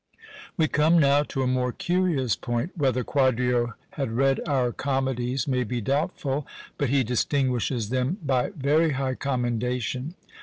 We come now to a more curious point. Whether Quadrio had read our comedies may be doubtful; but he distinguishes them by very high commendation.